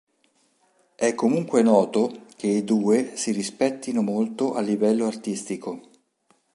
È comunque noto che i due si rispettino molto a livello artistico.